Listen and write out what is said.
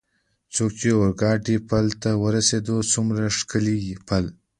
څو چې د اورګاډي پل ته ورسېدو، څومره ښکلی پل.